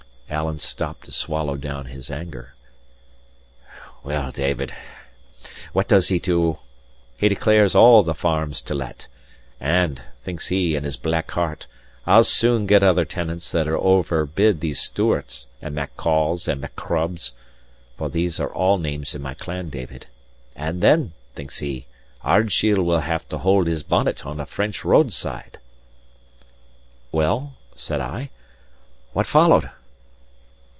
(Alan stopped to swallow down his anger.) "Well, David, what does he do? He declares all the farms to let. And, thinks he, in his black heart, 'I'll soon get other tenants that'll overbid these Stewarts, and Maccolls, and Macrobs' (for these are all names in my clan, David); 'and then,' thinks he, 'Ardshiel will have to hold his bonnet on a French roadside.'" "Well," said I, "what followed?"